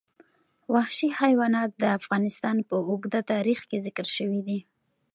وحشي حیوانات د افغانستان په اوږده تاریخ کې ذکر شوی دی.